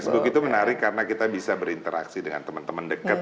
facebook itu menarik karena kita bisa berinteraksi dengan teman teman dekat